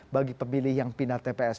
bagi pemilih yang pindah tps